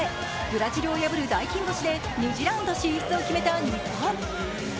ブラジルを破る大金星で２次ラウンド進出を決めた日本。